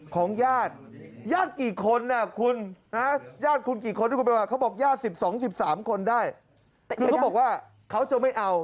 ของญาติล่ะฮะ